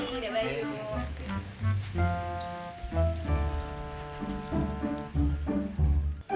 ini deh bayu